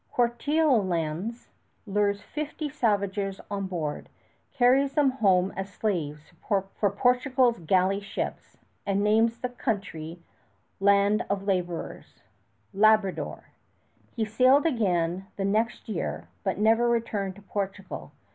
Cortereal lands, lures fifty savages on board, carries them home as slaves for Portugal's galley ships, and names the country "land of laborers" Labrador. He sailed again, the next year; but never returned to Portugal.